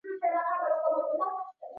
Nitashukuru na kuimba milele, wote wuchafu.